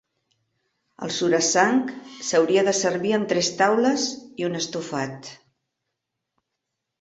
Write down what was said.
El "surasang" s'hauria de servir amb tres taules i un estofat.